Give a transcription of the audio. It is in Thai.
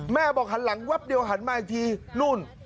แม่บอกหันหลังแวบเดียวหันมาอีกทีนู่น